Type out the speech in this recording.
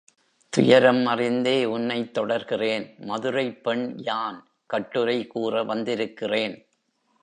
துயரம் அறிந்தே உன்னைத் தொடர்கிறேன் மதுரைப்பெண் யான், கட்டுரை கூற வந்திருக்கிறேன்.